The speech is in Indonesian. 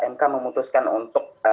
mk memutuskan untuk